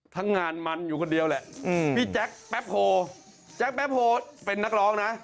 ทั้งงานมันอยู่คนเดียวแหละพี่แจ๊คแป๊บโฮแจ๊คแป๊บโฮเป็นนักร้องนะ